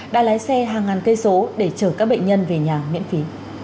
đã lái xe hàng ngàn cây số để chở các bệnh nhân về nhà miễn phí